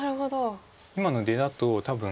今の出だと多分。